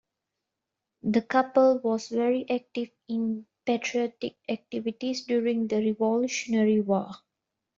The couple was very active in patriotic activities during the Revolutionary War.